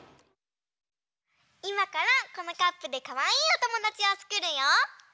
いまからこのカップでかわいいおともだちをつくるよ。